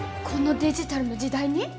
このデジタルの時代に？